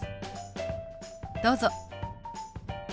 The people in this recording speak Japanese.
どうぞ。